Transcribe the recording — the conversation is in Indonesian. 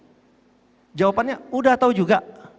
kejadiannya sudah tahu juga